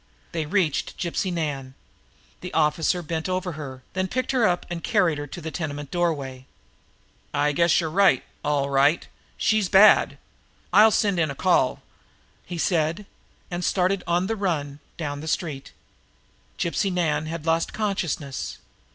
They reached Gypsy Nan. The officer bent over her, then picked her up and carried her to the tenement doorway. "I guess you're right, all right! She's bad! I'll send in a call," he said, and started on the run down the street. Gypsy Nan had lost consciousness.